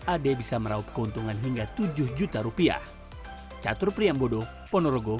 ad bisa merauh keuntungan hingga rp tujuh